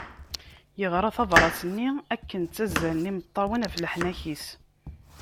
Yeɣra tabrat-nni akken ttazzalen imeṭṭawen ɣef leḥnak-is.